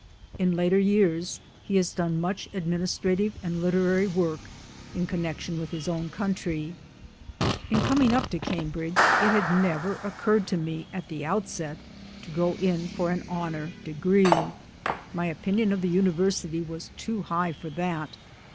In later years he has done much administrative and literary work in connection with his own county. In coming up to Cambridge it had never occurred to me at the outset to go in for an honour degree ; my opinion of the university was too high for that.